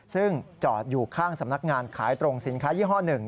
ซึ่งจอดอยู่ข้างสำนักงานขายตรงสินค้ายี่ห้อ๑